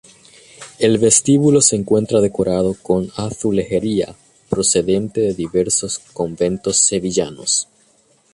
El vestíbulo se encuentra decorado con azulejería procedente de diversos conventos sevillanos.